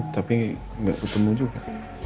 tapi gak ketemu juga